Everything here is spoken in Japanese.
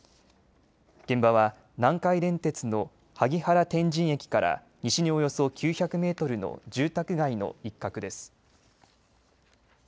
現場は南海電鉄の萩原天神駅から西におよそ９００メートルの住宅街の一角です。